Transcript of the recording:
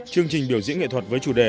chương trình biểu diễn nghệ thuật với chủ đề